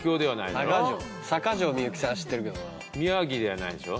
かじょうみゆきさんは知ってるけどな。